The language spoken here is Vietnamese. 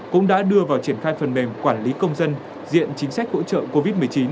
cũng đã đưa vào triển khai phần mềm quản lý công dân diện chính sách hỗ trợ covid một mươi chín